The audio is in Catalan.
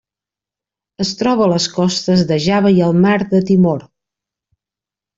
Es troba a les costes de Java i al Mar de Timor.